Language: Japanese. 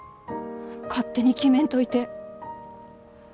勝手に決めんといて。